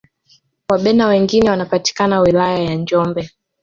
wabena wengine wanapatika wilaya ya njombe